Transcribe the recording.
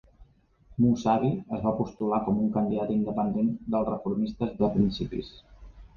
Mousavi es va postular com un candidat independent dels Reformistes de Principis.